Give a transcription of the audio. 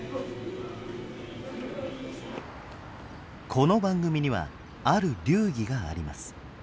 この番組にはある流儀があります。